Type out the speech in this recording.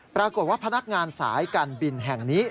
ปรากฏว่าพนักงานสายการบินแห่งนี้